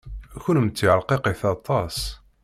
Kennemti rqiqit aṭas.